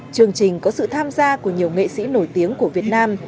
chương trình có sự tham gia của nhiều nghệ sĩ nổi tiếng của việt nam